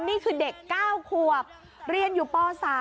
นี่คือเด็ก๙ขวบเรียนอยู่ป๓